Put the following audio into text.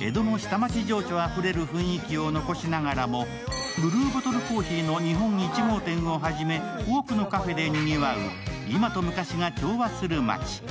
江戸の下町情緒あふれる雰囲気を残しながらもブルーボトルコーヒーの日本１号店を初め、多くのカフェでにぎわう、今と昔が調和する街。